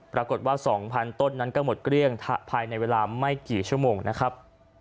ปรากฏว่า๒๐๐ต้นนั้นก็หมดเกลี้ยงภายในเวลาไม่กี่ชั่วโมงนะครับ